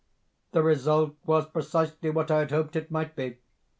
"The result was precisely what I had hoped it might be.